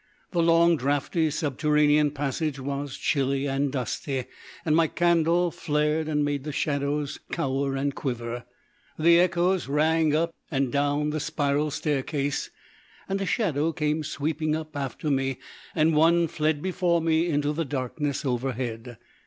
The long, draughty subterranean passage was chilly and dusty, and my candle flared and made the shadows cower and quiver. The echoes rang up and down the spiral staircase, and a shadow came sweeping up after me, and one fled before me into the darkness overhead.